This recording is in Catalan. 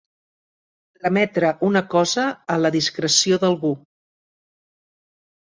Remetre una cosa a la discreció d'algú.